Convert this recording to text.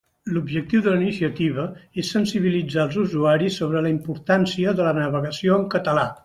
L'objectiu de la iniciativa és sensibilitzar els usuaris sobre la importància de la navegació en català.